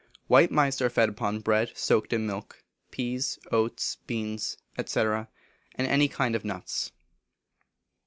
White Mice are fed upon bread soaked in milk, peas, oats, beans, &c., and any kind of nuts.